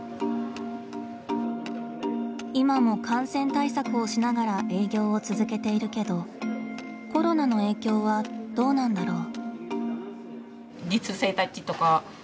今も感染対策をしながら営業を続けているけどコロナの影響はどうなんだろう？